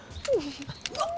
うわっ！